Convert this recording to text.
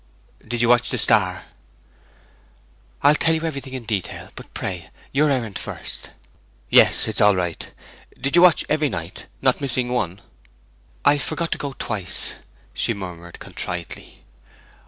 'Did you watch the star?' 'I'll tell you everything in detail; but, pray, your errand first!' 'Yes, it's all right. Did you watch every night, not missing one?' 'I forgot to go twice,' she murmured contritely.